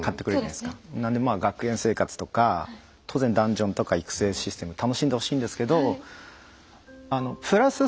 なんで学園生活とか当然ダンジョンとか育成システム楽しんでほしいんですけどプラス